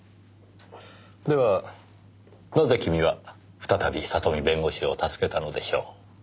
ではなぜ君は再び里見弁護士を助けたのでしょう？